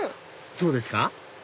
どうですか？